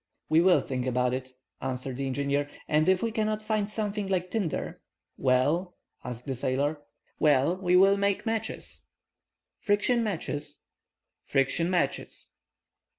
"We will think about it," answered the engineer, "and if we cannot find something like tinder—" "Well," asked the sailor. "Well, we will make matches!" "Friction matches?" "Friction matches!"